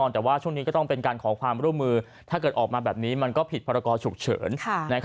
แต่ว่าช่วงนี้ก็ต้องเป็นการขอความร่วมมือถ้าเกิดออกมาแบบนี้มันก็ผิดพรกรฉุกเฉิน